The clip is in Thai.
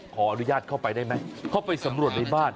ขออนุญาตเข้าไปได้ไหมเข้าไปสำรวจในบ้าน